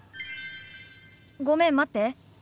ごめん待って。